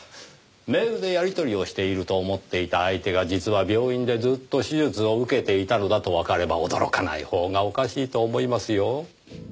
メールでやりとりをしていると思っていた相手が実は病院でずっと手術を受けていたのだとわかれば驚かないほうがおかしいと思いますよ。